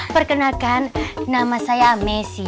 perkenalkan nama saya messi